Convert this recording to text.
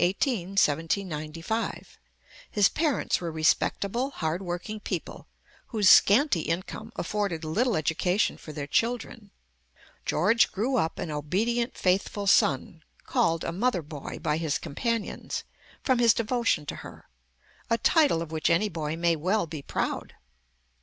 18, 1795. His parents were respectable, hard working people, whose scanty income afforded little education for their children. George grew up an obedient, faithful son, called a "mother boy" by his companions, from his devotion to her, a title of which any boy may well be proud.